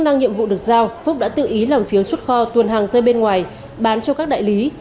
năng nhiệm vụ được giao phúc đã tự ý làm phiếu xuất kho tuần hàng rơi bên ngoài bán cho các đại lý